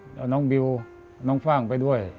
แล้วน้องบิวน้องฟ่างไปด้วย